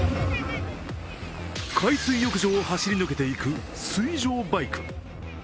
海水浴場を走り抜けていく水上バイク。